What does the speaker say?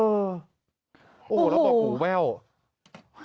โอ้โหแล้วบอกหูแว่ว